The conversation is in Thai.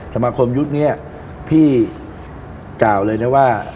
สมาคมยุคนี้พี่กล่าวเลยนะว่า